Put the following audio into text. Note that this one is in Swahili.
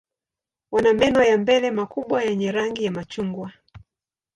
Wana meno ya mbele makubwa yenye rangi ya machungwa.